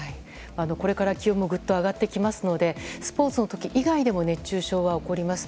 これから気温もぐっと上がってきますのでスポーツの時以外でも熱中症は起こります。